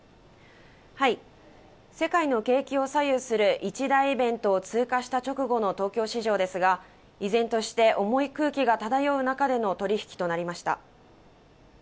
世界の景気を左右する一大イベントを通過した直後の東京市場ですが依然として重い空気が漂う中での取引となりました。